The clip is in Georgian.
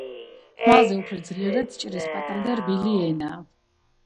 ხმალზე უფრო ძლიერად ჭრის პატარა და რბილი ენა